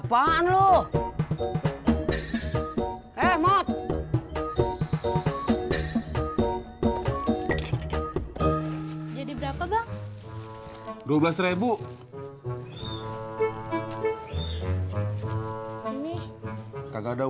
kan aliya udah bilang barusan